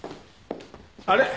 あれ？